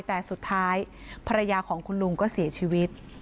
แต่สุดท้ายภรรยาของคุณลุงก็เสียชีวิต